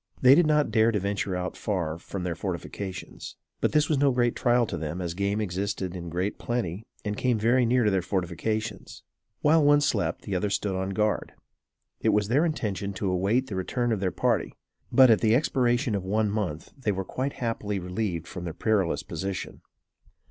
They did not dare to venture out far from their fortifications; but, this was no great trial to them, as game existed in great plenty and came very near their fortifications. While one slept, the other stood on guard. It was their intention to await the return of their party; but, at the expiration of one month, they were quite happily relieved from their perilous position.